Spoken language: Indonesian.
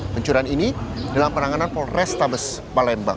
pencurian ini dalam penanganan polrestabes palembang